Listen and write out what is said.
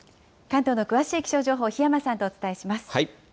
関東の詳しい気象情報、檜山さんとお伝えします。